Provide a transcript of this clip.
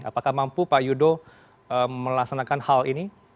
apakah mampu pak yudo melaksanakan hal ini